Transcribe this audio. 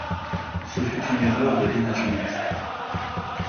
Ce fut une erreur de management.